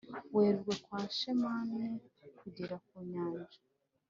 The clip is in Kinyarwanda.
werurwe kwa sherman kugera ku nyanja